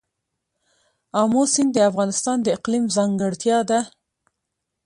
آمو سیند د افغانستان د اقلیم ځانګړتیا ده.